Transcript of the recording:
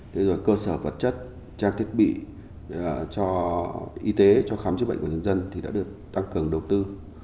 thế rồi cơ sở vật chất trang thiết bị cho y tế cho khám chữa bệnh của nhân dân thì đã được tăng cường đầu tư